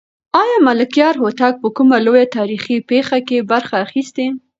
آیا ملکیار هوتک په کومه لویه تاریخي پېښه کې برخه اخیستې؟